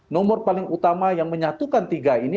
nomor paling utama yang menyatukan tiga ini